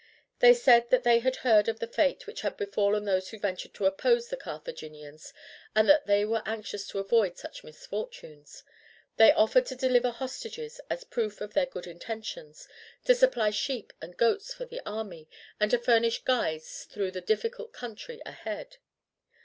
They said that they had heard of the fate which had befallen those who ventured to oppose the Carthaginians, and that they were anxious to avoid such misfortunes. They offered to deliver hostages as a proof of their good intentions, to supply sheep and goats for the army, and to furnish guides through the difficult country ahead.